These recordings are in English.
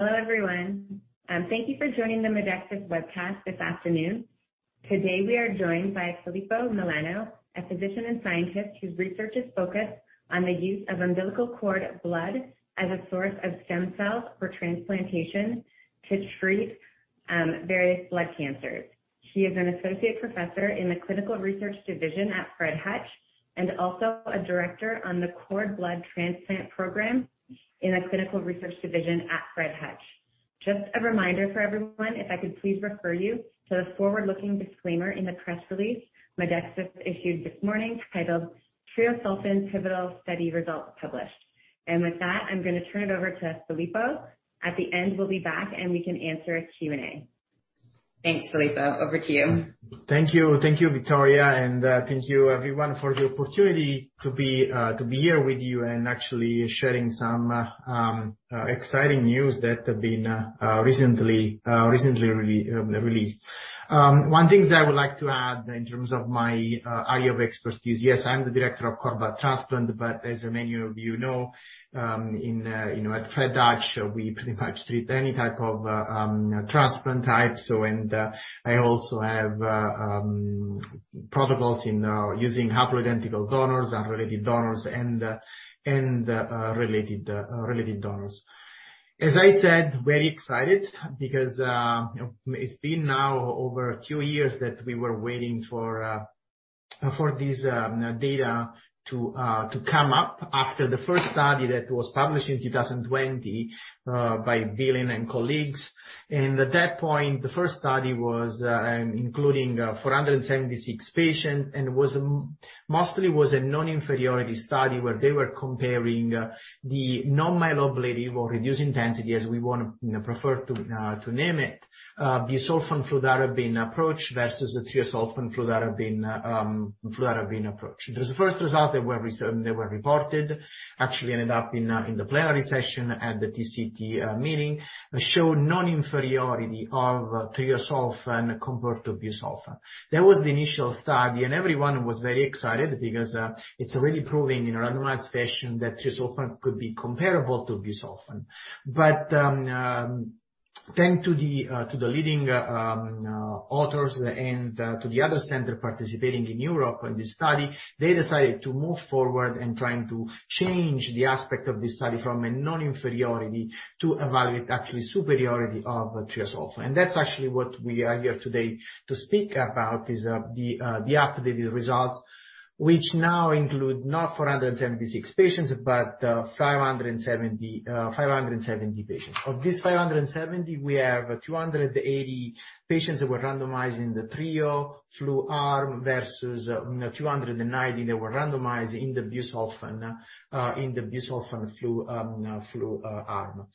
Hello everyone. Thank you for joining the Medexus webcast this afternoon. Today we are joined by Filippo Milano, a physician and scientist whose research is focused on the use of umbilical cord blood as a source of stem cells for transplantation to treat various blood cancers. He is an associate professor in the clinical research division at Fred Hutch, and also a director on the cord blood transplant program in the clinical research division at Fred Hutch. Just a reminder for everyone, if I could please refer you to the forward-looking disclaimer in the press release Medexus issued this morning titled, "Treosulfan Pivotal Study Results Published." With that, I'm going to turn it over to Filippo. At the end, we'll be back and we can answer Q&A. Thanks, Filippo. Over to you. Thank you. Thank you, Victoria, and thank you everyone for the opportunity to be here with you and actually sharing some exciting news that have been recently released. One thing that I would like to add in terms of my area of expertise, yes, I'm the director of cord blood transplant, but as many of you know, at Fred Hutch, we pretty much treat any type of transplant types. I also have protocols in using haploidentical donors, unrelated donors, and related donors. As I said, I'm very excited because it's been now over two years that we were waiting for this data to come up after the first study that was published in 2020 by Beelen and colleagues. At that point, the first study was including 476 patients, and mostly was a non-inferiority study where they were comparing the non-myeloablative or reduced intensity, as we want to prefer to name it, busulfan fludarabine approach versus a treosulfan fludarabine approach. It was the first result that were reported, actually ended up in the plenary session at the TCT meeting, showed non-inferiority of treosulfan compared to busulfan. That was the initial study, and everyone was very excited because it's already proven in a randomized fashion that treosulfan could be comparable to busulfan. Thanks to the leading authors and to the other center participating in Europe in this study, they decided to move forward in trying to change the aspect of this study from a non-inferiority to evaluate actually superiority of treosulfan. That's actually what we are here today to speak about is the updated results, which now include not 476 patients, but 570 patients. Of this 570, we have 280 patients that were randomized in the treo/flu arm versus 290 that were randomized in the busulfan/flu arm.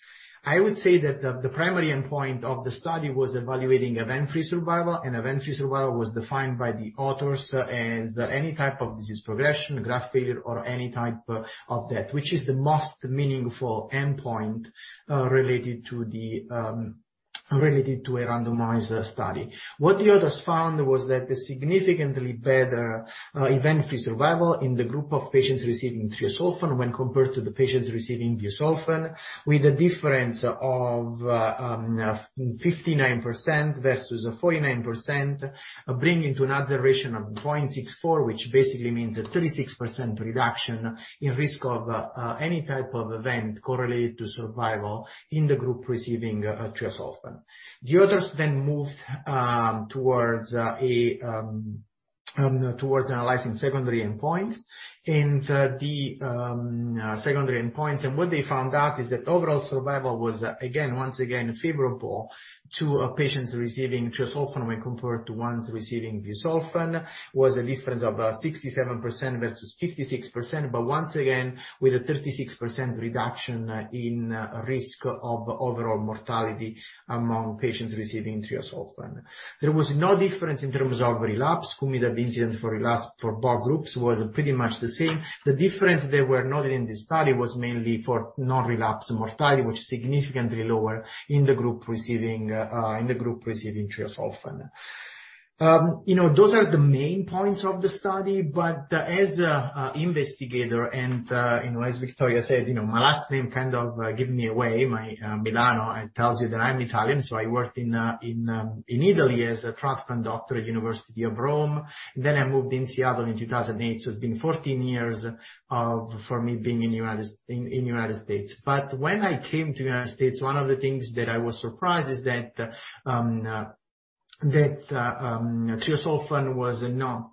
I would say that the primary endpoint of the study was evaluating event-free survival, and event-free survival was defined by the authors as any type of disease progression, graft failure, or any type of death, which is the most meaningful endpoint related to a randomized study. What the others found was that the significantly better event-free survival in the group of patients receiving treosulfan when compared to the patients receiving busulfan, with a difference of 59% versus 49%, bringing to an observation of 0.64, which basically means a 36% reduction in risk of any type of event correlated to survival in the group receiving treosulfan. The others then moved towards analyzing secondary endpoints. The secondary endpoints, and what they found out is that overall survival was, once again, favorable to patients receiving treosulfan when compared to ones receiving busulfan, was a difference of 67% versus 56%, but once again, with a 36% reduction in risk of overall mortality among patients receiving treosulfan. There was no difference in terms of relapse. Cumulative incidence for relapse for both groups was pretty much the same. The difference they were noting in this study was mainly for non-relapse mortality, which is significantly lower in the group receiving treosulfan. Those are the main points of the study, but as a investigator and as Victoria said, my last name kind of give me away. Milano, it tells you that I'm Italian. I worked in Italy as a transplant doctor at University of Rome, then I moved in Seattle in 2008. It's been 14 years for me being in United States. When I came to United States, one of the things that I was surprised is that treosulfan was not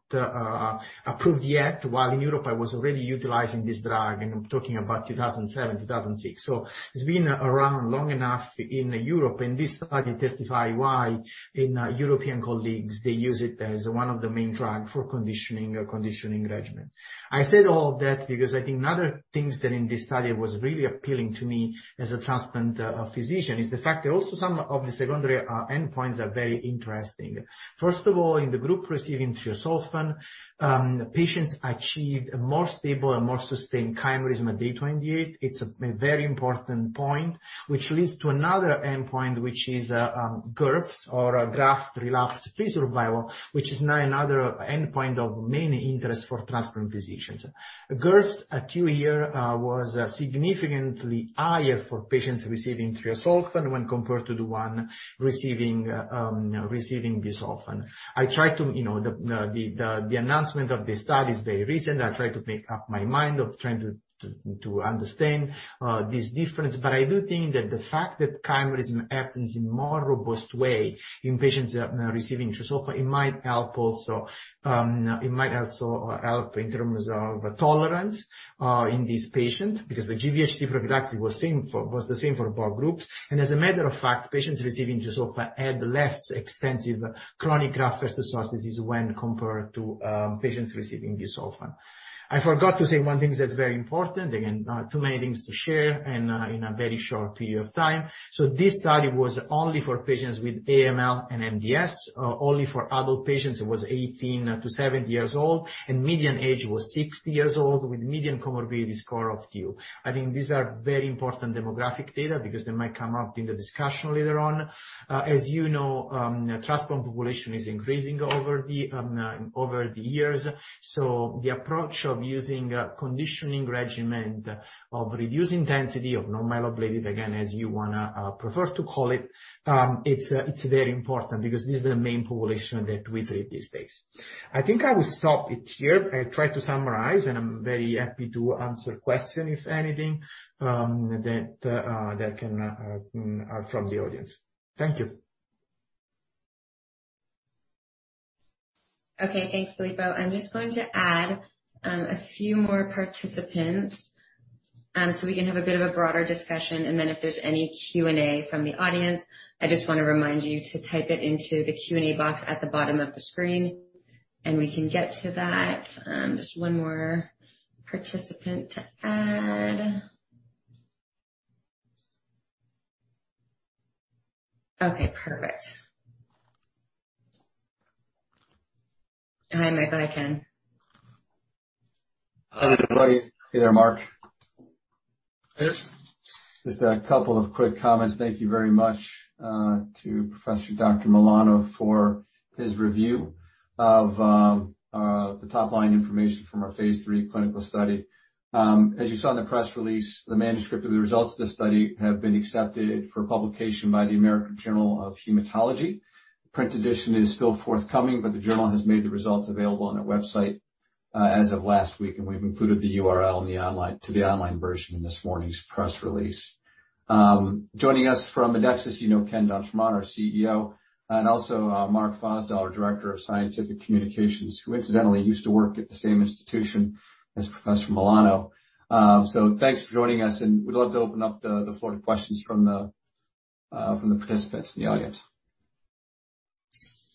approved yet, while in Europe I was already utilizing this drug, and I'm talking about 2007, 2006. It's been around long enough in Europe, and this study testifies why European colleagues, they use it as one of the main drugs for conditioning regimen. I said all that because I think another thing that, in this study, was really appealing to me as a transplant physician is the fact that also some of the secondary endpoints are very interesting. First of all, in the group receiving treosulfan, patients achieved a more stable and more sustained chimerism at day 28. It's a very important point, which leads to another endpoint, which is GRFS or graft-versus-host disease-free, relapse-free survival, which is now another endpoint of main interest for transplant physicians. GRFS at two years was significantly higher for patients receiving treosulfan when compared to the one receiving busulfan. The announcement of this study is very recent. I tried to make up my mind of trying to understand this difference. I do think that the fact that chimerism happens in a more robust way in patients receiving treosulfan, it might also help in terms of tolerance in these patients, because the GVHD prophylaxis was the same for both groups. as a matter of fact, patients receiving treosulfan had less extensive chronic graft-versus-host disease when compared to patients receiving busulfan. I forgot to say one thing that's very important. Again, too many things to share in a very short period of time. this study was only for patients with AML and MDS, only for adult patients who was 18-70 years old, and median age was 60 years old with a median comorbidity score of few. I think these are very important demographic data because they might come up in the discussion later on. As you know, transplant population is increasing over the years. The approach of using conditioning regimen of reduced intensity or non-myeloablative, again, as you prefer to call it, is very important because this is the main population that we treat these days. I think I will stop it here. I tried to summarize, and I'm very happy to answer questions, if anything, from the audience. Thank you. Okay. Thanks, Filippo. I'm just going to add a few more participants, so we can have a bit of a broader discussion, and then if there's any Q&A from the audience, I just want to remind you to type it into the Q&A box at the bottom of the screen, and we can get to that. Just one more participant to add. Okay, perfect. Hi, Michael and Ken. Hey there, everybody. Hey there, Mark. Hey. Just a couple of quick comments. Thank you very much to Professor Dr. Milano for his review of the top-line information from our phase III clinical study. As you saw in the press release, the manuscript of the results of this study have been accepted for publication by the American Journal of Hematology. The print edition is still forthcoming, but the journal has made the results available on their website as of last week, and we've included the URL to the online version in this morning's press release. Joining us from Medexus, you know Ken d'Entremont, our CEO, and also Mark Fosdal, Director of Scientific Communications, who incidentally used to work at the same institution as Professor Milano. Thanks for joining us, and we'd love to open up the floor to questions from the participants in the audience.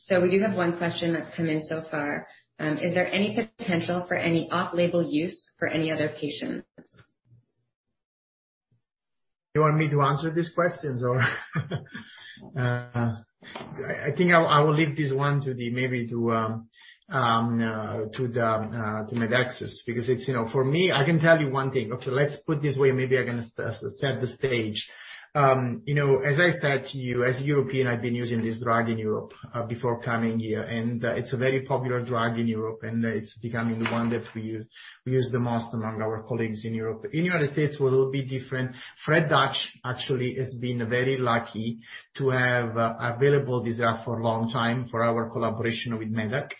We do have one question that's come in so far. Is there any potential for any off-label use for any other patients? You want me to answer these questions or I think I will leave this one maybe to Medexus, because for me, I can tell you one thing. Okay, let's put this way, maybe I can set the stage. As I said to you, as a European, I've been using this drug in Europe, before coming here, and it's a very popular drug in Europe, and it's becoming the one that we use the most among our colleagues in Europe. In the United States, we're a little bit different. Fred Hutch actually has been very lucky to have available this drug for a long time for our collaboration with medac.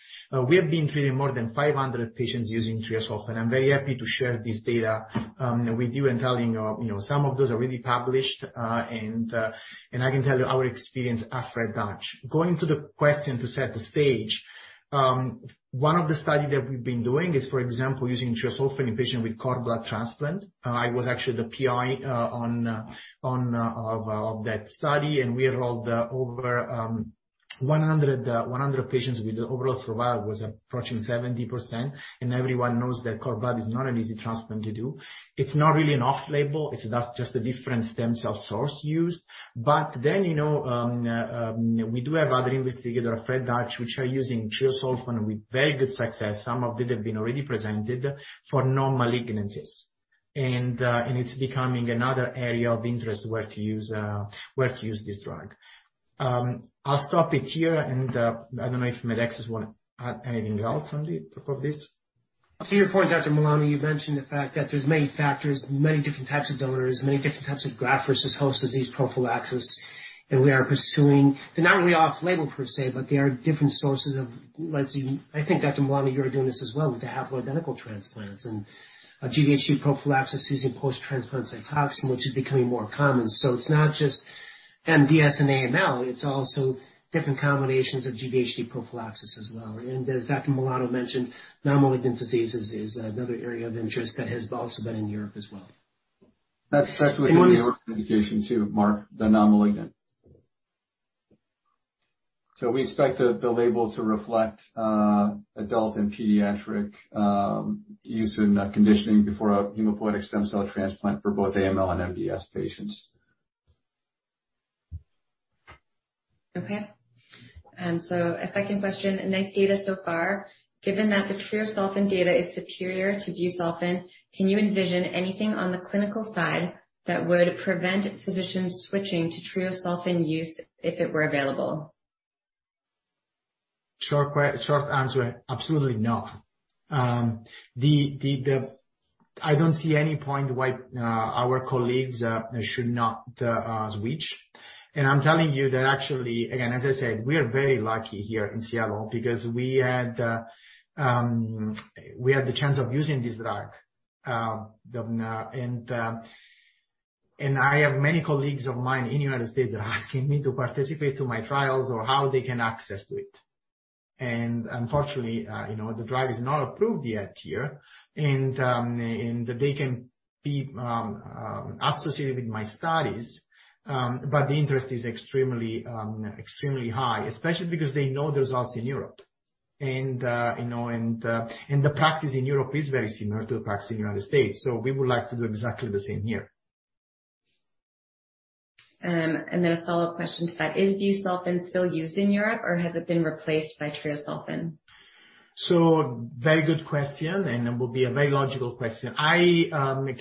We have been treating more than 500 patients using treosulfan. I'm very happy to share this data with you and tell you some of those are already published, and I can tell you our experience at Fred Hutch. Going to the question to set the stage, one of the studies that we've been doing is, for example, using treosulfan in patients with cord blood transplant. I was actually the PI of that study, and we enrolled over 100 patients with the overall survival was approaching 70%, and everyone knows that cord blood is not an easy transplant to do. It's not really an off-label. It's just a different stem cell source used. We do have other investigators at Fred Hutch which are using treosulfan with very good success. Some of them have been already presented for non-malignancies. It's becoming another area of interest where to use this drug. I'll stop here, and I don't know if Medexus wants to add anything else on top of this. To your point, Dr. Milano, you mentioned the fact that there's many factors, many different types of donors, many different types of graft-versus-host disease prophylaxis, and we are pursuing. They're not really off-label per se, but they are different sources of, let's see. I think, Dr. Milano, you're doing this as well with the haploidentical transplants and GVHD prophylaxis using post-transplant cyclophosphamide, which is becoming more common. It's not just MDS and AML. It's also different combinations of GVHD prophylaxis as well. As Dr. Milano mentioned, non-malignant diseases is another area of interest that has also been in Europe as well. That's actually in the indication too, Mark, the non-malignant. We expect the label to reflect adult and pediatric use in conditioning before a hematopoietic stem cell transplant for both AML and MDS patients. Okay. A second question. Nice data so far. Given that the treosulfan data is superior to busulfan, can you envision anything on the clinical side that would prevent physicians switching to treosulfan use if it were available? Short answer, absolutely not. I don't see any point why our colleagues should not switch. I'm telling you that actually, again, as I said, we are very lucky here in Seattle because we had the chance of using this drug. I have many colleagues of mine in the United States that are asking me to participate to my trials or how they can access to it. Unfortunately, the drug is not approved yet here. They can be associated with my studies, but the interest is extremely high, especially because they know the results in Europe. The practice in Europe is very similar to the practice in the United States. We would like to do exactly the same here. A follow-up question to that, is busulfan still used in Europe or has it been replaced by treosulfan? Very good question and will be a very logical question. I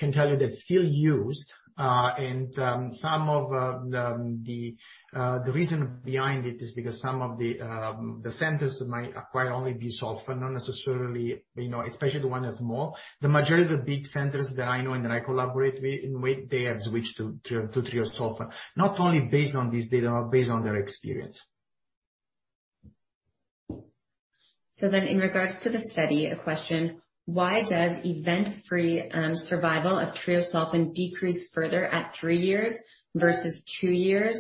can tell you that it's still used. Some of the reason behind it is because some of the centers might acquire only busulfan, not necessarily, especially the one that's small. The majority of the big centers that I know and that I collaborate with, they have switched to treosulfan, not only based on this data, based on their experience. In regards to the study, a question, why does event-free survival of treosulfan decrease further at three years versus two years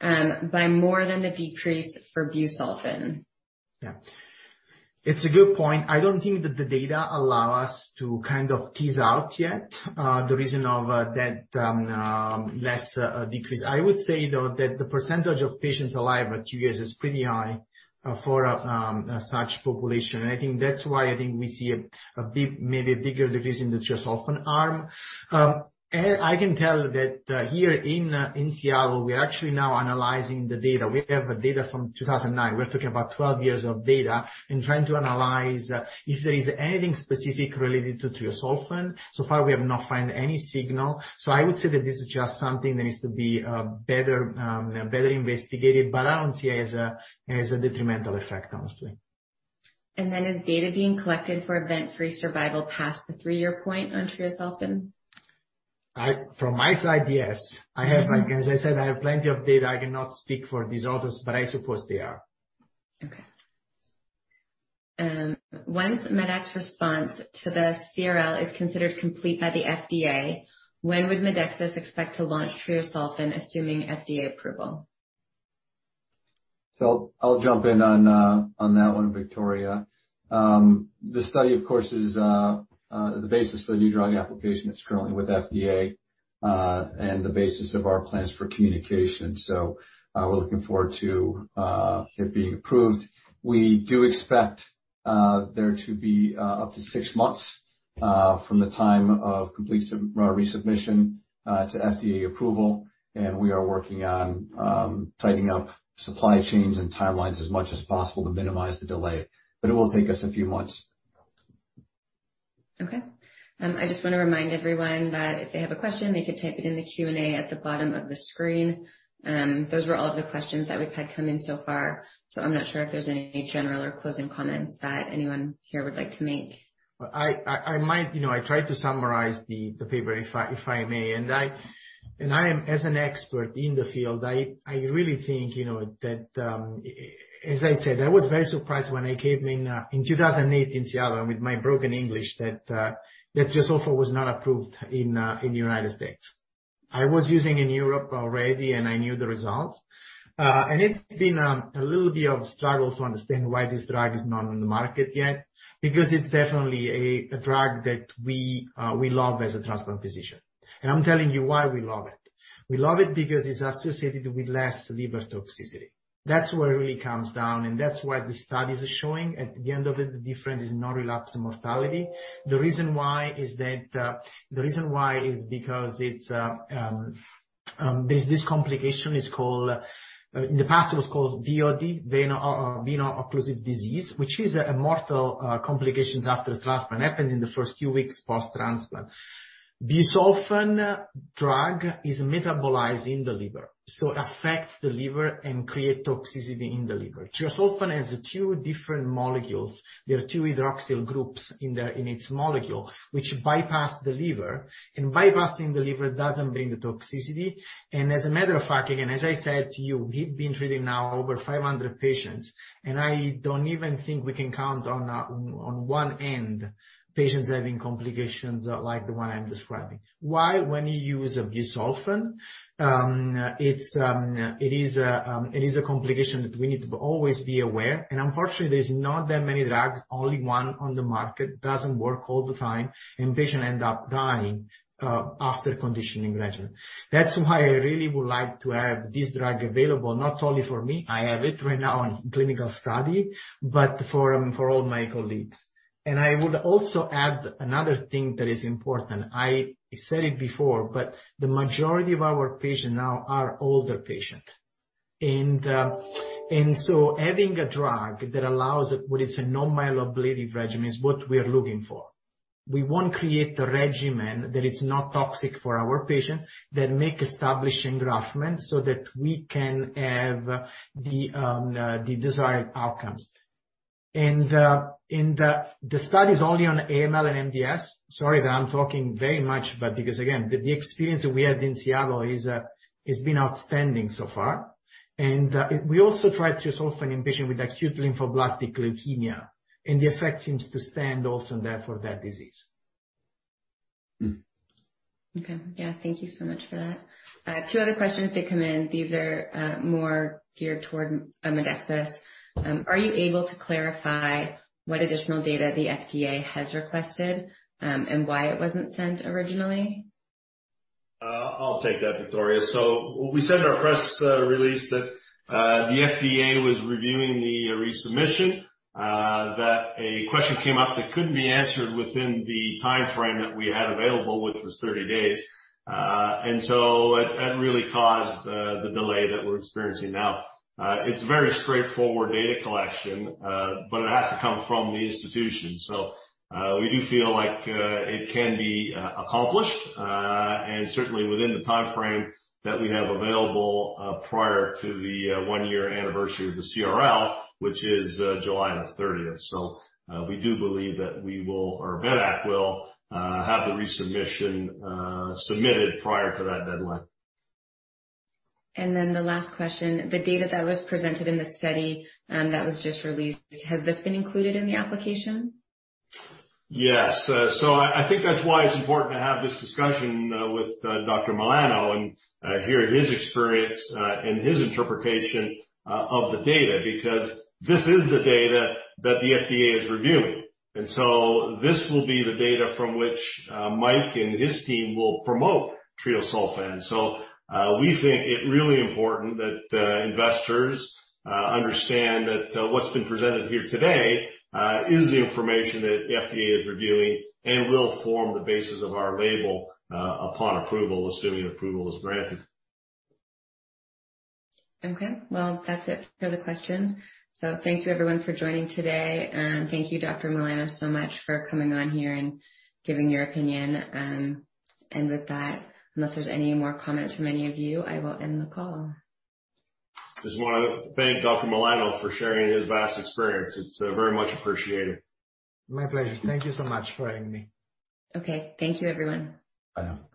by more than the decrease for busulfan? Yeah. It's a good point. I don't think that the data allow us to kind of tease out yet the reason of that less decrease. I would say, though, that the percentage of patients alive at two years is pretty high for such population. I think that's why I think we see maybe a bigger decrease in the treosulfan arm. I can tell that here in Seattle, we're actually now analyzing the data. We have data from 2009. We're talking about 12 years of data and trying to analyze if there is anything specific related to treosulfan. So far we have not found any signal. I would say that this is just something that needs to be better investigated, but I don't see it as a detrimental effect, honestly. Is data being collected for event-free survival past the three-year point on treosulfan? From my side, yes. As I said, I have plenty of data. I cannot speak for these others, but I suppose they are. Okay. Once Medexus' response to the CRL is considered complete by the FDA, when would Medexus expect to launch treosulfan, assuming FDA approval? I'll jump in on that one, Victoria. The study, of course, is the basis for the New Drug Application that's currently with FDA, and the basis of our plans for communication. We're looking forward to it being approved. We do expect there to be up to six months from the time of complete resubmission to FDA approval, and we are working on tightening up supply chains and timelines as much as possible to minimize the delay, but it will take us a few months. Okay. I just want to remind everyone that if they have a question, they could type it in the Q&A at the bottom of the screen. Those were all of the questions that we've had come in so far, so I'm not sure if there's any general or closing comments that anyone here would like to make. I tried to summarize the paper, if I may. As an expert in the field, I really think that, as I said, I was very surprised when I came in 2008 in Seattle with my broken English that treosulfan was not approved in the United States. I was using in Europe already, and I knew the results. It's been a little bit of struggle to understand why this drug is not on the market yet, because it's definitely a drug that we love as a transplant physician. I'm telling you why we love it. We love it because it's associated with less liver toxicity. That's where it really comes down, and that's why the studies are showing at the end of it, the difference is non-relapse mortality. The reason why is because this complication is called, in the past it was called VOD, veno-occlusive disease, which is a mortal complications after transplant, happens in the first few weeks post-transplant. Busulfan drug is metabolized in the liver, so it affects the liver and create toxicity in the liver. Treosulfan has two different molecules. There are two hydroxyl groups in its molecule, which bypass the liver, and bypassing the liver doesn't bring the toxicity. As a matter of fact, again, as I said to you, we've been treating now over 500 patients, and I don't even think we can count on one hand patients having complications like the one I'm describing. Why? When you use busulfan, it is a complication that we need to always be aware. Unfortunately, there's not that many drugs. Only one on the market. It doesn't work all the time, and patients end up dying after conditioning regimen. That's why I really would like to have this drug available, not only for me, I have it right now on clinical study, but for all my colleagues. I would also add another thing that is important. I said it before, but the majority of our patients now are older patients. Having a drug that allows what is a non-myeloablative regimen is what we are looking for. We want to create a regimen that is not toxic for our patients, that make establish engraftment so that we can have the desired outcomes. The study is only on AML and MDS. Sorry that I'm talking very much, but because, again, the experience we had in Seattle has been outstanding so far. We also tried treosulfan in patient with Acute Lymphoblastic Leukemia, and the effect seems to stand also there for that disease. Okay. Yeah. Thank you so much for that. Two other questions that come in. These are more geared toward Medexus. Are you able to clarify what additional data the FDA has requested, and why it wasn't sent originally? I'll take that, Victoria. We sent our press release that the FDA was reviewing the resubmission, that a question came up that couldn't be answered within the timeframe that we had available, which was 30 days. That really caused the delay that we're experiencing now. It's a very straightforward data collection, but it has to come from the institution. We do feel like it can be accomplished, and certainly within the timeframe that we have available prior to the one year anniversary of the CRL, which is July 30th. We do believe that we will, or medac will, have the resubmission submitted prior to that deadline. The last question. The data that was presented in the study that was just released, has this been included in the application? Yes. I think that's why it's important to have this discussion with Dr. Milano and hear his experience and his interpretation of the data, because this is the data that the FDA is reviewing. This will be the data from which Mike and his team will promote treosulfan. We think it really important that investors understand that what's been presented here today is the information that the FDA is reviewing and will form the basis of our label upon approval, assuming approval is granted. Okay. Well, that's it for the questions. Thank you everyone for joining today. Thank you, Dr. Milano, so much for coming on here and giving your opinion. With that, unless there's any more comments from any of you, I will end the call. Just want to thank Dr. Milano for sharing his vast experience. It's very much appreciated. My pleasure. Thank you so much for having me. Okay. Thank you, everyone. Bye now.